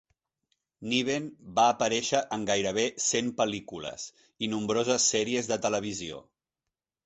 Niven va aparèixer en gairebé cent pel·lícules i nombroses sèries de televisió.